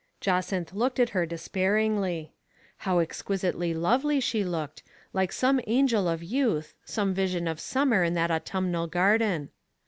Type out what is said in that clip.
Jacynth looked at her despairingly. How ex quisitely lovely she looked, like some angel of youth, some vision of summer in that autumnal garden.